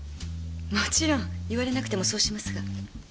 もちろん言われなくてもそうしますが。